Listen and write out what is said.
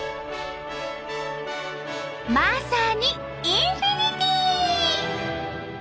まさにインフィニティー！